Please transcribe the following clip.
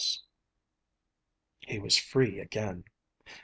He was free again.